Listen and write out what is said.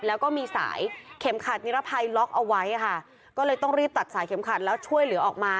แล้วก็มีสายเข็มขัดนิรภัยล็อกเอาไว้ค่ะก็เลยต้องรีบตัดสายเข็มขัดแล้วช่วยเหลือออกมา